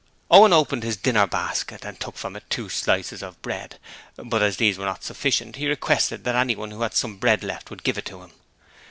Owen opened his dinner basket and took from it two slices of bread but as these were not sufficient, he requested that anyone who had some bread left would give it to him.